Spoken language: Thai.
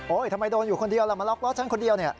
ทำไมโดนอยู่คนเดียวล่ะมาล็อกล้อฉันคนเดียวเนี่ย